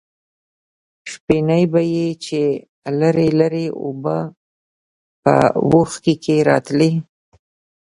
شپېنۍ به یې چې لږې لږې اوبه په وښکي کې راتلې.